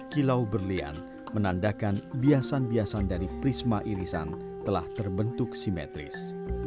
kilau berlian menandakan biasan biasan dari prisma irisan telah terbentuk simetris